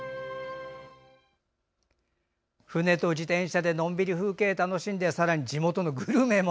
船と自転車でのんびり風景を楽しんで、さらに地元のグルメも。